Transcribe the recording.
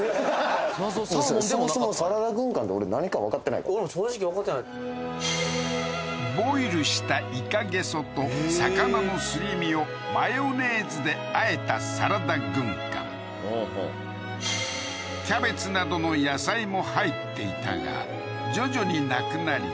俺も正直分かってないボイルしたイカゲソと魚のすり身をマヨネーズであえたサラダ軍艦キャベツなどの野菜も入っていたが徐々に無くなり